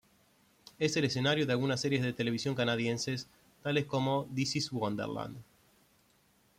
Es el escenario de algunas series de televisión canadienses, tales como "This is Wonderland".